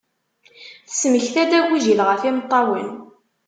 Tesmekta-d agujil ɣef yimeṭṭawen.